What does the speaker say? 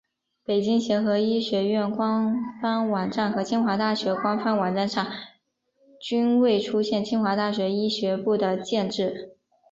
北京协和医学院官方网站和清华大学官方网站上均未出现清华大学医学部的建制。